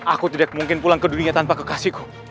aku tidak mungkin pulang ke dunia tanpa kekasihku